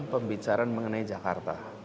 pembicaraan mengenai jakarta